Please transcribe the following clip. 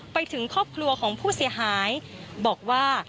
ไปถึงครอบครัวของผู้เสียหายบอกว่า